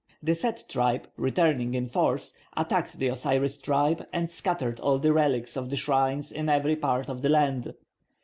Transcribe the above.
The Set tribe returning in force attacked the Osiris tribe and scattered all the relics of the shrines in every part of the land.